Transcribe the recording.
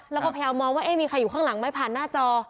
แล้วก็พยายามมองว่ามีใครอยู่ข้างหลังไหมผ่านหน้าจอ